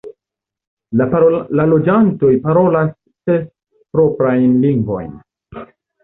La loĝantoj parolas ses proprajn lingvojn.